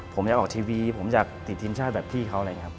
ผมจะออกทีวีผมอยากถิ่นทีมชาติแบบพี่เขา